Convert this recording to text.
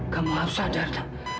kamu harus hadap nah